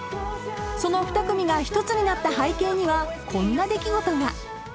［その２組が１つになった背景にはこんな出来事が］